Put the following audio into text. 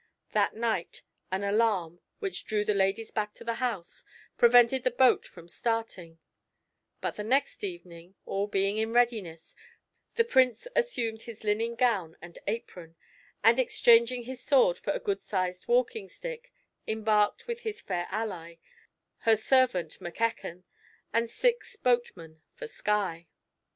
That night an alarm, which drew the ladies back to the house, prevented the boat from starting; but the next evening, all being in readiness, the Prince assumed his linen gown and apron and, exchanging his sword for a good sized walking stick, embarked with his fair ally, her servant Mackechan, and six boatmen, for Skye.